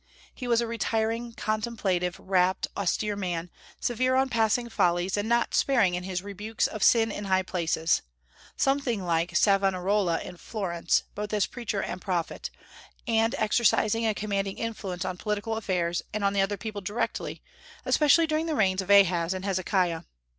He was a retiring, contemplative, rapt, austere man, severe on passing follies, and not sparing in his rebukes of sin in high places, something like Savonarola at Florence, both as preacher and prophet, and exercising a commanding influence on political affairs and on the people directly, especially during the reigns of Ahaz and Hezekiah.